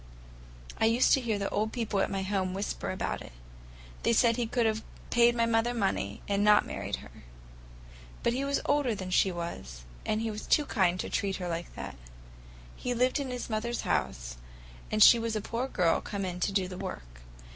I used to hear the old people at home whisper about it. They said he could have paid my mother money, and not married her. But he was older than she was, and he was too kind to treat her like that. He lived in his mother's house, and she was a poor girl come in to do the work.